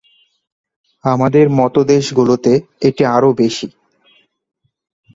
আমাদের মতোদেশগুলোতে এটি আরো বেশি।